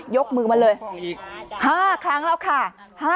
ยกมือมาเลย๕ครั้งแล้วค่ะ